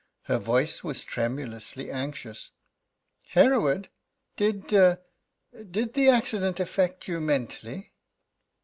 Her voice was tremulously anxious: "Hereward, did did the accident affect you mentally?"